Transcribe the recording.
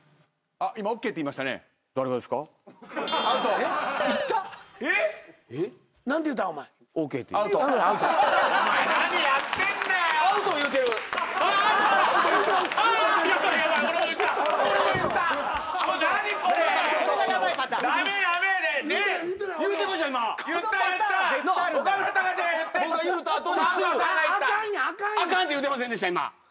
「あかん」って言うてませんでした。